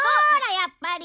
やっぱり！